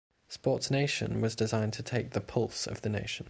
"SportsNation" was designed to take "the pulse" of the nation.